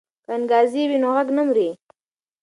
که انګازې وي نو غږ نه مري.